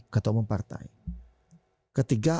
ketua umum partai ketiga